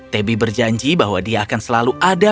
tebi berjanji bahwa dia akan selalu ada